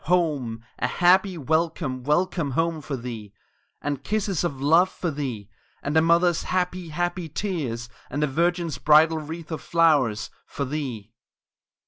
Home! a happy "Welcome welcome home" for thee! And kisses of love for thee And a mother's happy, happy tears, and a virgin's bridal wreath of flowers For thee!